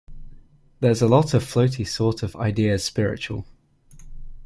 There's a lot of floaty sort of ideas-spiritual.